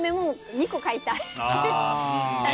２個買いたい。